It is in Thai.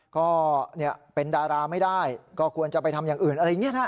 ก็เป็นดาราไม่ได้ก็ควรจะไปทำอย่างอื่นอะไรอย่างนี้นะ